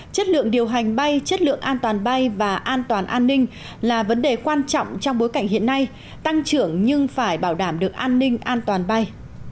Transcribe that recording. chất lượng điều hành bay chất lượng an toàn bay và an toàn an ninh là vấn đề quan trọng trong bối cảnh hiện nay tăng trưởng nhưng phải bảo đảm được an ninh an toàn bay